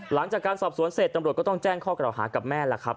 หลังจากการสอบสวนเสร็จตำรวจก็ต้องแจ้งข้อกล่าวหากับแม่ล่ะครับ